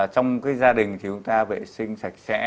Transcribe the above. trong cái gia đình thì chúng ta vệ sinh sạch sẽ